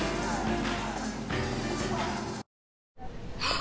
あ！